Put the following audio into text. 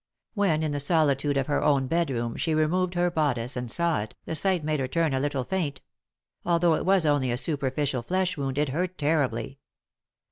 When, in the solitude of her own bedroom, she removed her bodice and saw it, the sight made her turn a little feint. Al though it was only a superficial flesh wound it hurt terribly.